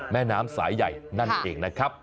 แม่น้ำสายใหญ่นั่นเองนะครับ